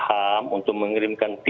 kami minta kepada komunikasi